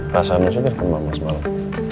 masa nusih terkena mama semalam